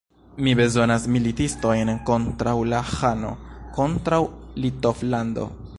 Mi bezonas militistojn kontraŭ la ĥano, kontraŭ Litovlando.